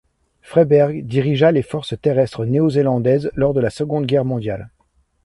Freyberg dirigea les forces terrestres néo-zélandaises lors la Seconde Guerre mondiale.